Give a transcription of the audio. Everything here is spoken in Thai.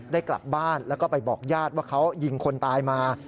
ได้กลับบ้านแล้วก็ไปบอกญาติว่าเขายิงคนตายมา